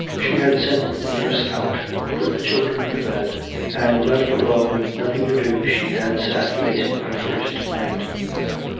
She had sent the nurse out, put the children to bed, and left alone with nothing to do she had sat facing her first night.